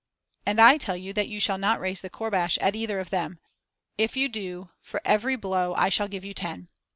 "And I tell you that you shall not raise the courbash at either of them. If you do, for every blow, I shall give you ten."